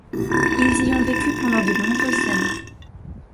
Ils y ont vécu pendant de nombreuses années.